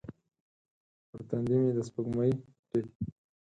پر تندې مې د سپوږمۍ ټیک